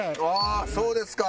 あそうですか。